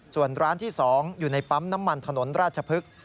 ส่วนร้านที่๒อยู่ในปั๊มน้ำมันถนนราชพฤกษ์